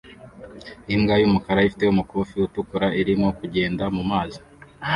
Imbwa y'umukara ifite umukufi utukura irimo kugenda mu mazi